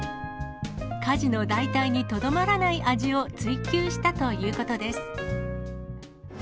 家事の代替にとどまらない味を追求したということです。